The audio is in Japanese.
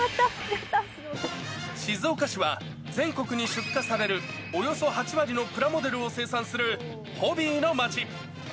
静岡市は、全国に出荷されるおよそ８割のプラモデルを生産する、ホビーの街。